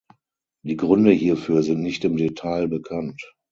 Die Gründe hierfür sind nicht im Detail bekannt.